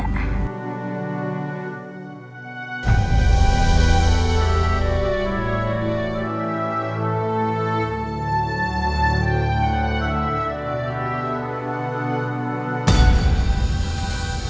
cok ada di sini juga